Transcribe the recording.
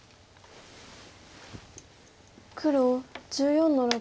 黒１４の六。